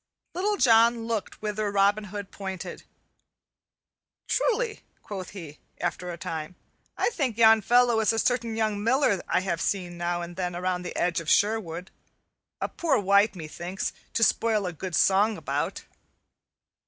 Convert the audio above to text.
Little John looked whither Robin Hood pointed. "Truly," quoth he, after a time, "I think yon fellow is a certain young miller I have seen now and then around the edge of Sherwood; a poor wight, methinks, to spoil a good song about."